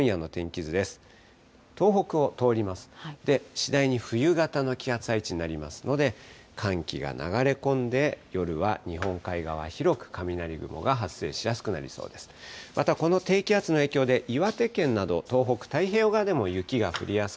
次第に冬型の気圧配置になりますので、寒気が流れ込んで、夜は日本海側、広く雷雲が発生しやすくなりそうです。